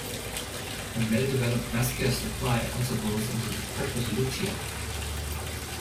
A well-developed vascular supply also grows into the corpus luteum.